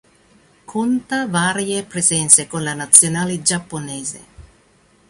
Conta varie presenze con la Nazionale giapponese.